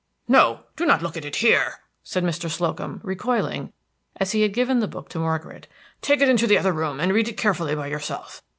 No, don't look at it here!" said Mr. Slocum, recoiling; he had given the book to Margaret. "Take it into the other room, and read it carefully by yourself.